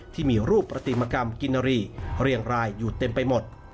ที่มีรูปปฏิมกรรมกินนารีเรียงรายอยู่เต็มไปหมด